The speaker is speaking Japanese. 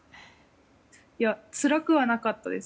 いやつらくはなかったです。